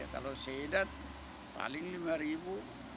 kalau sedap paling lima ribu